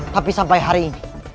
tapi sampai hari ini